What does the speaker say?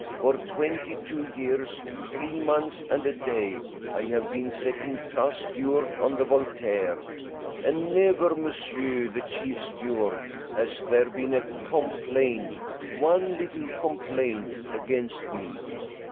"For twenty two years, three months and a day, I have been second class steward on the Voltaire, and never monsieur the chief steward, has there been a complaint, one little complaint against me.